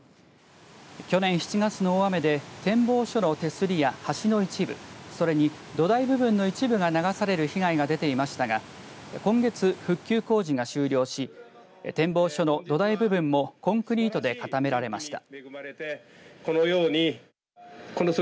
去年７月の大雨で展望所の手すりや橋の一部それに、土台部分の一部が流される被害が出ていましたが今月、復旧工事が終了し展望所の土台部分もコンクリートで固められました。